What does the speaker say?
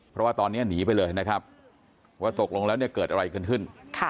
เพราะว่าตอนนี้หนีไปเลยนะครับว่าตกลงแล้วเนี่ยเกิดอะไรกันขึ้น